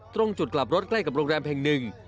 ตรงจุดกลับรถใกล้กับโรงแรมแห่งหนึ่ง